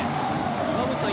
岩渕さん